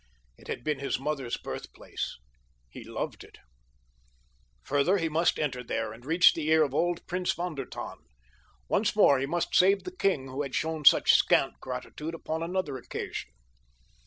It had been his mother's birthplace. He loved it. Further, he must enter there and reach the ear of old Prince von der Tann. Once more he must save the king who had shown such scant gratitude upon another occasion.